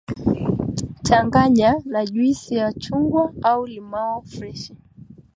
changanya na Juisi ya chungwa au limao freshi